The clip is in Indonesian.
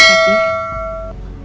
terima kasih banyak jody